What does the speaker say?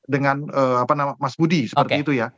dengan mas budi seperti itu ya